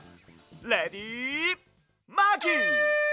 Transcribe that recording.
レディマーキー！